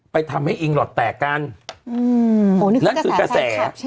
ไปทำให้อิงหลอดแตกกันโหนี่คือกระแสครับใช่ไหม